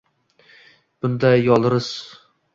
Bunda yolriz